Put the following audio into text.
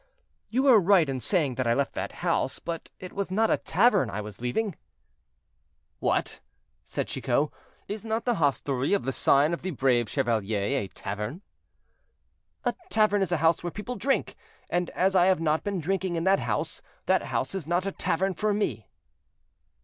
"You were right in saying that I left that house, but it was not a tavern I was leaving." "What!" said Chicot; "is not the hostelry of the sign of the 'Brave Chevalier' a tavern?" "A tavern is a house where people drink, and as I have not been drinking in that house, that house is not a tavern for me."